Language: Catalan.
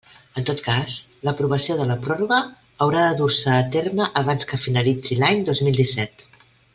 En tot cas, l'aprovació de la pròrroga haurà de dur-se a terme abans que finalitzi l'any dos mil disset.